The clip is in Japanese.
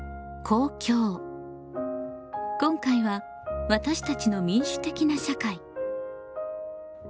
今回は「私たちの民主的な社会」。